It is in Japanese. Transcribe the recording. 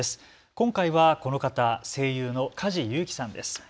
今回はこの方、声優の梶裕貴さんです。